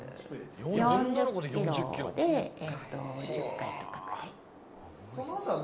４０キロで１０回とか。